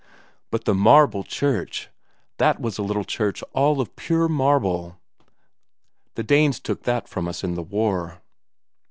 But the Marble Church that was a little church all of pure marble the Danes took that from us in the war...."